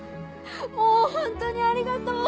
もうホントにありがとう！